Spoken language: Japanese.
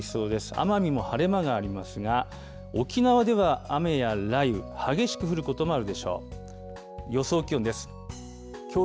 奄美も晴れ間がありますが、沖縄では雨や雷雨、激しく降ることもあるでしょう。